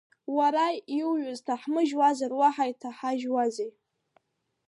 Уара иуҩыз ҭаҳмыжьуазар, уаҳа иҭҳажьуазеи?!